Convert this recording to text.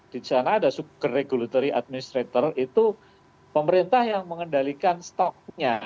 di sana ada super regulatory administrator itu pemerintah yang mengendalikan stoknya